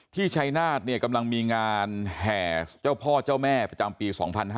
ที่ชายนาฏเนี่ยกำลังมีงานแห่เจ้าพ่อเจ้าแม่ประจำปี๒๕๖๕